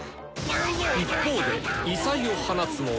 一方で異彩を放つのは。